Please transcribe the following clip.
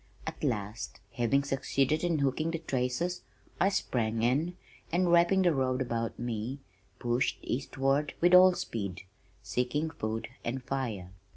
At last, having succeeded in hooking the traces I sprang in and, wrapping the robe about me, pushed eastward with all speed, seeking food and fire.